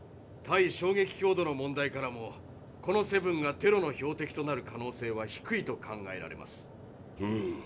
対衝撃強度の問題からもこのセブンがテロの標的となる可能性は低いと考えられます。